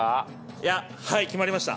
いやはい決まりました。